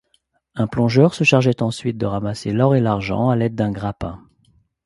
Un plongeur se chargeait ensuite de ramasser l'or et l'argent à l'aide d'un grappin.